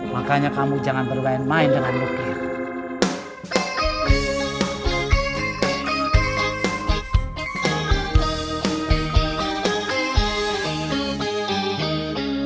makanya kamu jangan bergaya main dengan nuklir